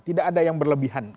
tidak ada yang berlebihan